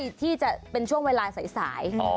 ใกล้ที่จะเป็นช่วงเวลาใส